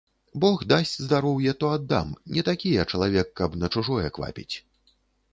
Бог дасць здароўе, то аддам, не такі я чалавек, каб на чужое квапіць.